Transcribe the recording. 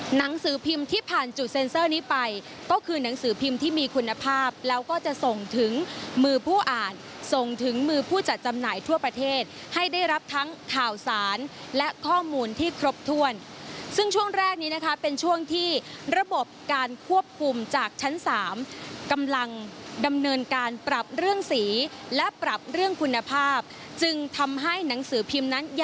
หนังสือพิมพ์ที่ผ่านจุดเซ็นเซอร์นี้ไปก็คือหนังสือพิมพ์ที่มีคุณภาพแล้วก็จะส่งถึงมือผู้อ่านส่งถึงมือผู้จัดจำหน่ายทั่วประเทศให้ได้รับทั้งข่าวสารและข้อมูลที่ครบถ้วนซึ่งช่วงแรกนี้นะคะเป็นช่วงที่ระบบการควบคุมจากชั้น๓กำลังดำเนินการปรับเรื่องสีและปรับเรื่องคุณภาพจึงทำให้หนังสือพิมพ์นั้นย